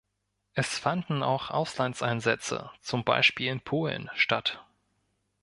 Es fanden auch Auslandseinsätze, zum Beispiel in Polen, statt.